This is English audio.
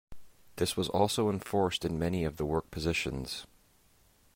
This also was enforced in many of the work positions.